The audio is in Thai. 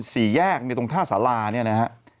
สี่แยกเนี่ยตรงท่าสาราเนี่ยนะฮะ